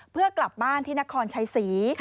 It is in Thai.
เพื่อกลับบ้านที่นครชัยศรี